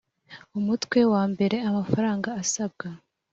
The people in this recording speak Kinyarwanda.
umutwe wa mbere amafaranga asabwa